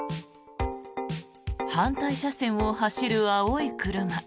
反対車線を走る青い車。